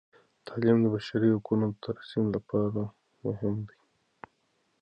تعلیم د بشري حقونو د ترسیم لپاره مهم دی.